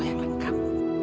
itu yang lengkap